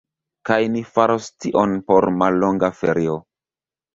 Kaj ni faros tion por mallonga ferio.